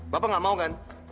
bapak nggak mau kan